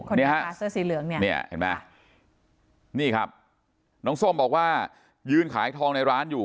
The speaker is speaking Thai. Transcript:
คนนี้ค่ะเสื้อสีเหลืองเนี่ยนี่ครับน้องส้มบอกว่ายืนขายทองในร้านอยู่